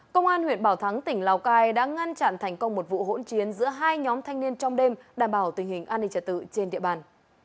công an huyện bảo thắng tỉnh lào cai đã ngăn chặn thành công một vụ hỗn chiến giữa hai nhóm thanh niên trong đêm đảm bảo tình hình an ninh trật tự trên địa bàn